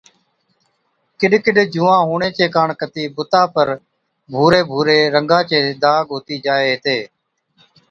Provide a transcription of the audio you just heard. ڪِڏ ڪِڏ جُوئان هُوَڻي چي ڪاڻ ڪتِي بُتا پر ڀُوري ڀُوري رنگا چي داگ هُتِي جائي هِتي